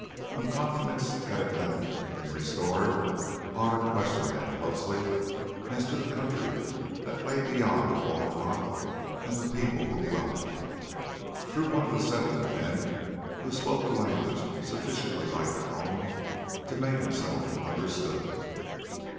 When confidence had at length been restored, Otter questioned them closely as to the country that lay beyond the wall of rock and the people who dwelt in it, through one of the Settlement men, who spoke a language sufficiently like their own to make himself understood.